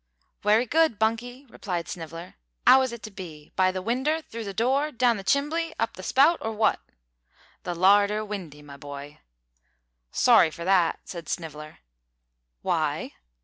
"Wery good, Bunky," replied Sniveller, "'ow is it to be? By the winder, through the door, down the chimbly, up the spout or wot?" "The larder windy, my boy." "Sorry for that," said Sniveller. "Why?"